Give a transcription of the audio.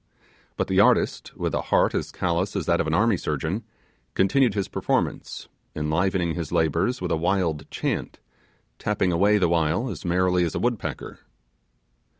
But the artist, with a heart as callous as that of an army surgeon, continued his performance, enlivening his labours with a wild chant, tapping away the while as merrily as a woodpecker.